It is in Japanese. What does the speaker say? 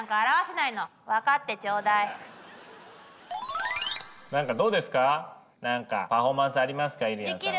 なんかどうですかなんかパフォーマンスありますかゆりやんさん？